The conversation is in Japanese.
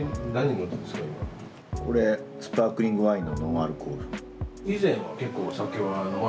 これスパークリングワインのノンアルコール。